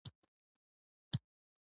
باد د دوبي په غرمه ساړه راولي